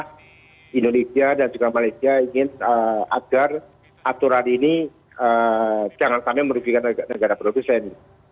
karena indonesia dan juga malaysia ingin agar aturan ini jangan sampai merugikan negara produsen